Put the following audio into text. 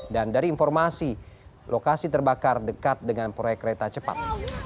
dan dari informasi lokasi terbakar dekat dengan proyek kereta cepat